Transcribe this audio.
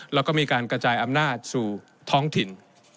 แล้วก็มีการกระจายอำนาจสู่ท้องถิ่น